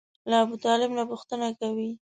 له ابوطالب نه پوښتنه کوي.